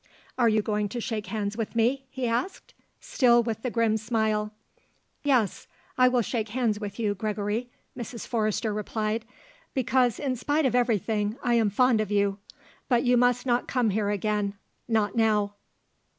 "Are you going to shake hands with me?" he asked, still with the grim smile. "Yes. I will shake hands with you, Gregory," Mrs. Forrester replied. "Because, in spite of everything, I am fond of you. But you must not come here again. Not now."